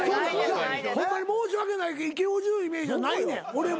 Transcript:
ホンマに申し訳ないけどイケおじのイメージはないねん俺も。